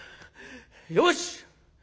よし！